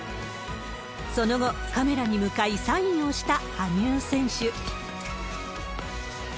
その後、カメラに向かいサインをした羽生選手。